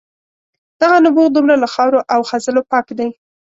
دغه نبوغ دومره له خاورو او خځلو پاک دی.